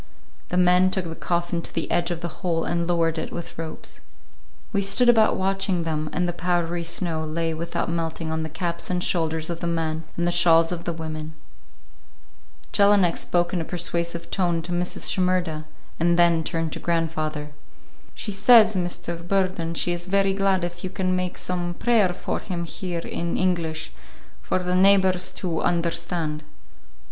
The men took the coffin to the edge of the hole and lowered it with ropes. We stood about watching them, and the powdery snow lay without melting on the caps and shoulders of the men and the shawls of the women. Jelinek spoke in a persuasive tone to Mrs. Shimerda, and then turned to grandfather. "She says, Mr. Burden, she is very glad if you can make some prayer for him here in English, for the neighbors to understand."